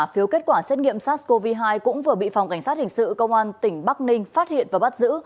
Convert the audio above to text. phiếu kết quả xét nghiệm sars cov hai cũng vừa bị phòng cảnh sát hình sự công an tỉnh bắc ninh phát hiện và bắt giữ